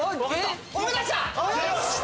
思い出した！